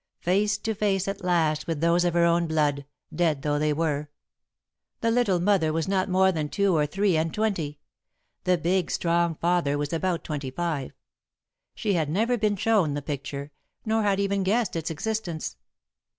Face to face at last with those of her own blood, dead though they were! The little mother was not more than two or three and twenty: the big strong father was about twenty five. She had never been shown the picture, nor had even guessed its existence.